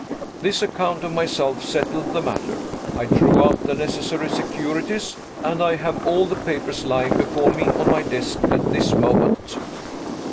This account of myself settled the matter. I drew out the necessary securities and I have all the papers lying before me on my desk at this moment.